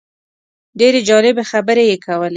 ډېرې جالبې خبرې یې کولې.